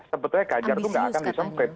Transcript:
sebetulnya ganjar itu nggak akan disemprit